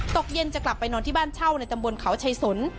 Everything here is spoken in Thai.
ตกเย็นจะกลับไปนอนที่บ้านเช่าในตำบลเขาชัยสน